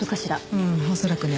うん恐らくね。